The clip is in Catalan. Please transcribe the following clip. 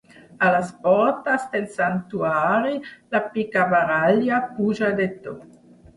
A les portes del santuari la picabaralla puja de to.